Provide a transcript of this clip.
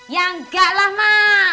ya enggak lah mak